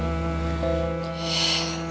who juga memandang teknika